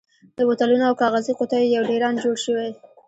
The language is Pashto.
د بوتلونو او کاغذي قوتیو یو ډېران جوړ شوی.